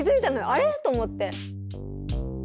「あれ？」と思って。